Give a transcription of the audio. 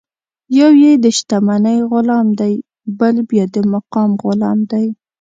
یو یې د شتمنۍ غلام دی، بل بیا د مقام غلام دی.